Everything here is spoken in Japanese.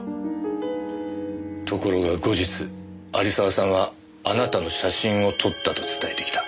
ところが後日有沢さんはあなたの写真を撮ったと伝えてきた。